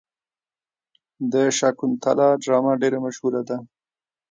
د شاکونتالا ډرامه ډیره مشهوره ده.